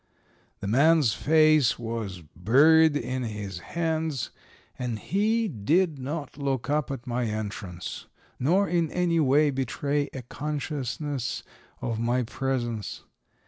The man's face was buried in his hands, and he did not look up at my entrance, nor in any way betray a consciousness of my presence.